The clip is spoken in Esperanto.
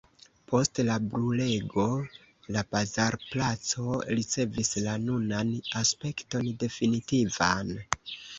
Post la brulego la bazarplaco ricevis la nunan aspekton definitivan.